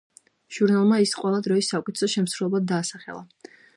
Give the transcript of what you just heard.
ჟურნალმა ის ყველა დროის საუკეთესო შემსრულებლად დაასახელა.